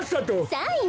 サイン。